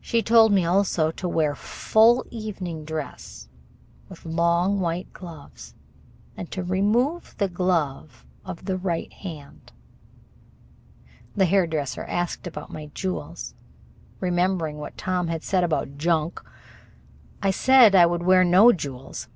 She told me also to wear full evening dress, with long white gloves, and to remove the glove of the right hand. The hairdresser asked about my jewels. Remembering what Tom had said about "junk", I said I would wear no jewels.